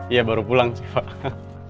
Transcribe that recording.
ya baru pulang sih pak